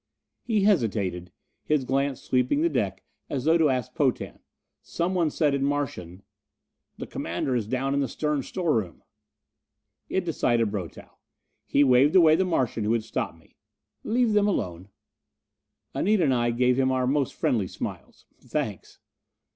He hesitated, his glance sweeping the deck as though to ask Potan. Someone said in Martian: "The commander is down in the stern storeroom." It decided Brotow. He waved away the Martian who had stopped me. "Let them alone." Anita and I gave him our most friendly smiles. "Thanks."